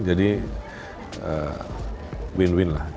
jadi win win lah